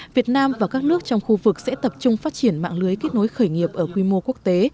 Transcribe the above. việt nam và các nước trong khu vực sẽ tập trung phát triển mạng lưới kết nối khởi nghiệp ở quy mô quốc tế